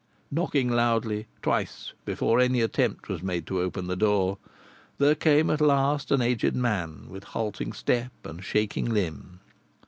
Knocking loudly twice before any attempt was made to open the door, there came at last an aged man with halting step and shaking limb.